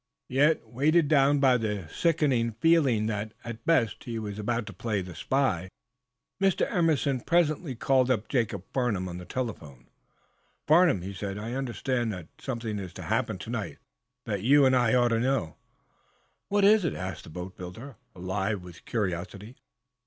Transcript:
Yet, weighed down by the sickening feeling that, at best, he was about to play the spy, Mr. Emerson presently called up Jacob Farnum on the telephone. "Farnum," he said, "I understand that something is to happen, to night, that you and I ought to know." "What is it?" asked the boatbuilder, alive with curiosity.